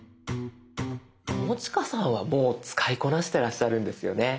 友近さんはもう使いこなしてらっしゃるんですよね？